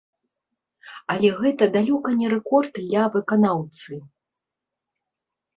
Але гэта далёка не рэкорд ля выканаўцы.